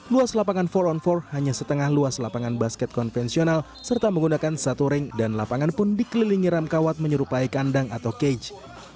luas lapangan empat on empat hanya setengah luas lapangan basket konvensional serta menggunakan satu ring dan lapangan pun dikelilingi ramkawat menyerupai kandang atau cage